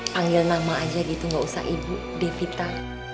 panggil nama aja gitu gak usah ibu devita